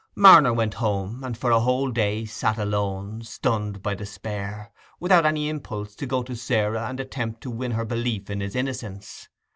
Marner went home, and for a whole day sat alone, stunned by despair, without any impulse to go to Sarah and attempt to win her belief in his innocence.